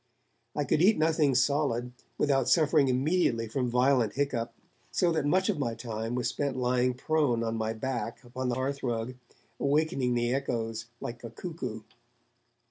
I could eat nothing solid, without suffering immediately from violent hiccough, so that much of my time was spent lying prone on my back upon the hearthrug, awakening the echoes like a cuckoo.